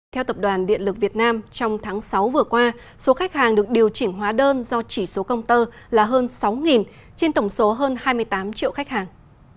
theo tập đoàn điện lực việt nam trong tháng sáu vừa qua số khách hàng được điều chỉnh hóa đơn do chỉ số công tơ là hơn sáu trên tổng số hơn hai mươi tám triệu khách hàng